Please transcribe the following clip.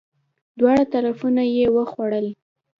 دواړه طرفونه یی وخوړل!